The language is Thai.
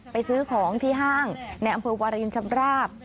ไปซื้อของที่ห้างในอำเภอวารินชำราบ